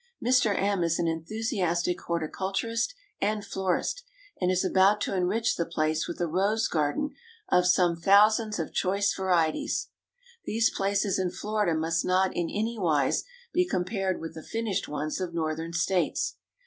Mr. M is an enthusiastic horticulturist and florist, and is about to enrich the place with a rose garden of some thousands of choice varieties. These places in Florida must not in any wise be compared with the finished ones of Northern States.